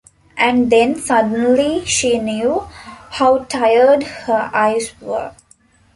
And then suddenly she knew how tired her eyes were.